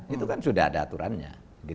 itu kan sudah ada aturannya